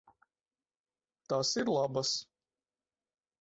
Tas ir labas.